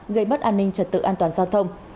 gây mất an ninh trật tự an toàn giao thông